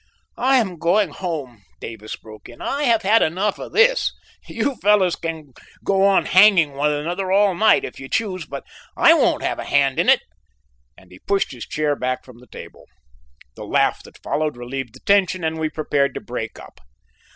"I am going home," Davis broke in. "I have had enough of this; you fellows can go on hanging one another all night, if you choose, but I won't have a hand in it," and he pushed his chair back from the table. The laugh that followed relieved the tension, and we prepared to break up.